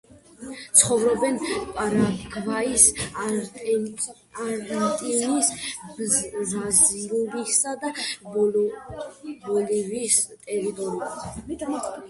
ცხოვრობენ პარაგვაის, არგენტინის, ბრაზილიისა და ბოლივიის ტერიტორიაზე.